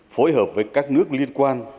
phối hợp với các nước liên quan